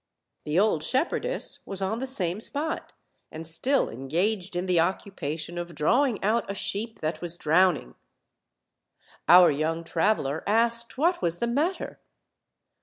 The old shep OLD, OLD FAIRY TALES. 83 herdess was on the same spot, and still engaged in the occupation of drawing out a sheep that was drowning. Our young traveler asked what was the matter.